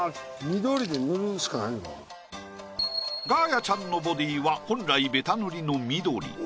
ガーヤちゃんのボディーは本来ベタ塗りの緑。